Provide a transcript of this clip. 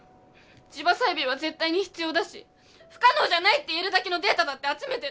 地場採苗は絶対に必要だし不可能じゃないって言えるだけのデータだって集めてる。